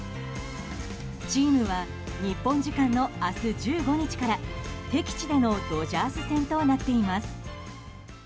チームは日本時間の明日１５日から敵地でのドジャース戦となっています。